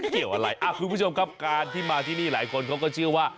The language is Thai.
เกี่ยวอะไรคุณผู้ชมครับการที่มาที่นี่หลายคนเขาก็เชื่อว่า